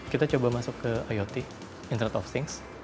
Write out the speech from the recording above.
kita coba masuk ke iot internet of things